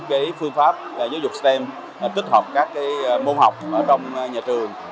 cái phương pháp giáo dục stem tích hợp các cái môn học ở trong nhà trường